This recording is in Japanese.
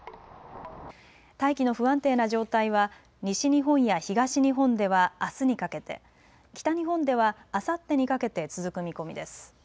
大気の不安定な状態は西日本や東日本ではあすにかけて、北日本ではあさってにかけて続く見込みです。